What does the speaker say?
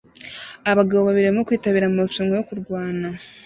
Abagabo babiri barimo kwitabira amarushanwa yo kurwana